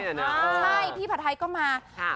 แม่ผัดไทยด้วยนะใช่พี่ผัดไทยก็มาครับ